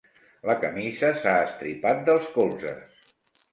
La camisa s'ha estripat dels colzes.